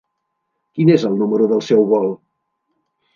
Quin és el número del seu vol?